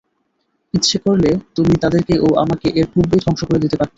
ইচ্ছে করলে তুমি তাদেরকে ও আমাকে এর পূর্বেই ধ্বংস করে দিতে পারতে।